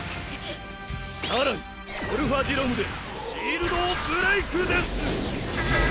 更にドルファディロムでシールドをブレイクです。